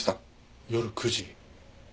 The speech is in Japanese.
夜９時。